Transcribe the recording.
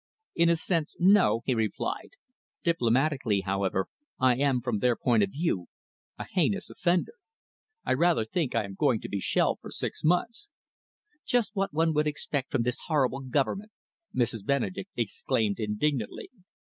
"In a sense, no," he replied. "Diplomatically, however, I am, from their point of view, a heinous offender. I rather think I am going to be shelved for six months." "Just what one would expect from this horrible Government!" Mrs. Benedek exclaimed indignantly.